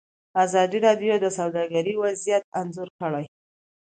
ازادي راډیو د سوداګري وضعیت انځور کړی.